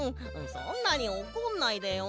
そんなにおこんないでよ。